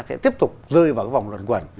sẽ tiếp tục rơi vào vòng luận quẩn